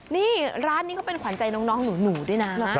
นี่ร้านนี้เขาเป็นขวัญใจน้องหนูด้วยนะ